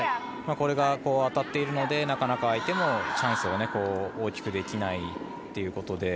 これが当たっているのでなかなか相手もチャンスを大きくできないので。